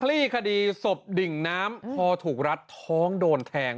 ลี่คดีศพดิ่งน้ำพอถูกรัดท้องโดนแทง